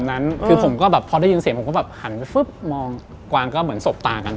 แล้วก็คิดอย่างนั้น